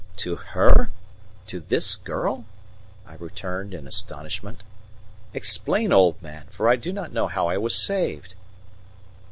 "To her to this girl?" I returned in astonishment. "Explain, old man, for I do not know how I was saved."